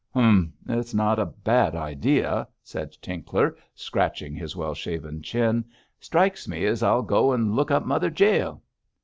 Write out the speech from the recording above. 'Humph! it's not a bad idea,' said Tinkler, scratching his well shaven chin. 'Strikes me as I'll go and look up Mother Jael.'